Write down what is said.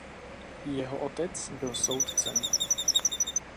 Jeho otec byl soudcem.